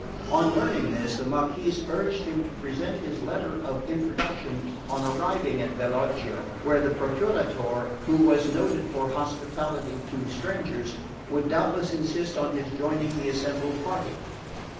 On learning this, the Marquess urged him to present his letter of introduction on arriving at Bellocchio, where the Procuratore, who was noted for hospitality to strangers, would doubtless insist on his joining the assembled party.